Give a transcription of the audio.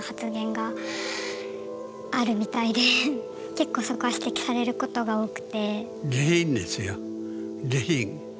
結構そこは指摘されることが多くて。